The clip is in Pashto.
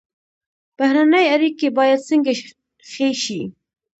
بهرنۍ اړیکې باید څنګه ښې شي؟